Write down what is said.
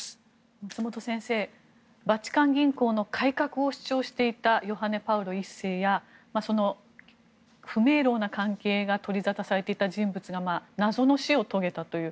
松本先生、バチカン銀行の改革を主張していたヨハネ・パウロ１世やその不明瞭な関係が取りざたされていた人物が謎の死を遂げたという。